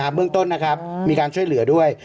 เบื้องต้นนะครับมีการช่วยเหลือด้วย